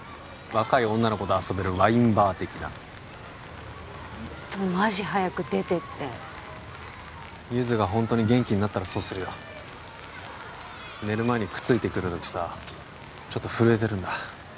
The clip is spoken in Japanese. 若い女の子と遊べるワインバー的なホントマジ早く出てってゆづがホントに元気になったらそうするよ寝る前にくっついてくる時さちょっと震えてるんだ